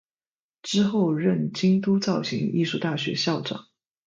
之后任京都造形艺术大学校长。